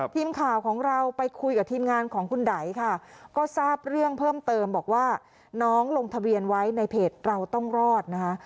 ทีมข่าวของเราไปคุยกับทีมงานของคุณไดค่ะก็ทราบเรื่องเพิ่มเติมบอกว่าน้องลงทะเบียนไว้ในเพจเราต้องรอดนะคะ